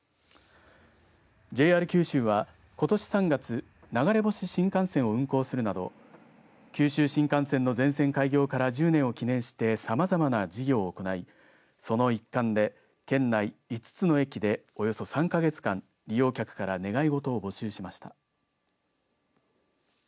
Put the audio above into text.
ＪＲ九州は、ことし３月流れ星新幹線を運行するなど九州新幹線の全線開業から１０年を記念してさまざまな事業を行いその一環で県内５つの駅でおよそ３か月間、利用客から願いごとを募集しました。